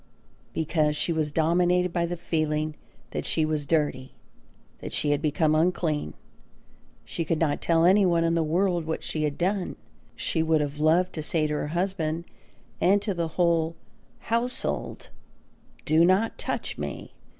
Because she was dominated by the feeling that she was dirty, that she had become unclean. She could not tell any one in the world what she had done; she would have loved to say to her husband and to the whole household: "Do not touch me!